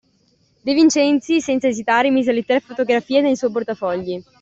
De Vincenzi, senza esitare, mise le tre fotografie nel suo portafogli